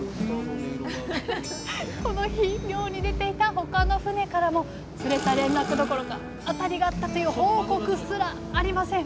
この日漁に出ていた他の船からも釣れた連絡どころかアタリがあったという報告すらありません